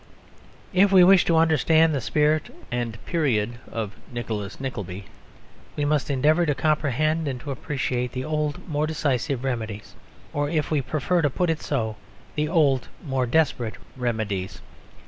If we wish to understand the spirit and the period of Nicholas Nickleby we must endeavour to comprehend and to appreciate the old more decisive remedies, or, if we prefer to put it so, the old more desperate remedies.